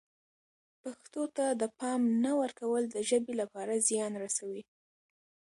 پښتو ته د پام نه ورکول د ژبې لپاره زیان رسوي.